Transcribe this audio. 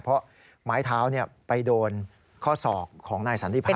เพราะไม้เท้าไปโดนข้อศอกของนายสันติพา